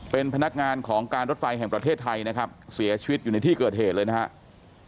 เป็นพนักงานของการรถไฟแห่งประเทศไทยนะครับเสียชีวิตอยู่ในที่เกิดเหตุเลยนะครับ